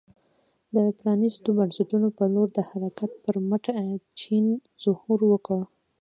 د پرانیستو بنسټونو په لور د حرکت پر مټ چین ظهور وکړ.